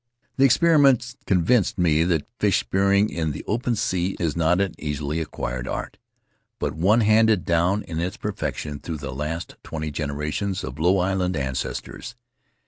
The experiment convinced me that fish spearing in the open sea is not an easily acquired art, but one handed down in its perfection through at least twenty generations of Low Island ancestors.